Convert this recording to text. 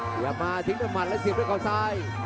ช้ามาทิ้งพี่มันและเสียบด้วยขอมซ้าย